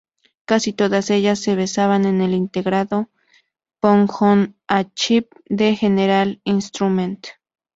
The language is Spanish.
Casi todas ellas se basaban en el integrado "Pong-on-a-chip" de General Instrument.